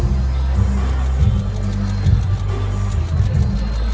สโลแมคริปราบาล